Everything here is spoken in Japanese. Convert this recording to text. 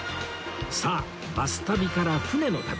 さあバス旅から船の旅